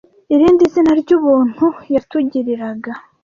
irindi zina ryubuntu yatugiriraga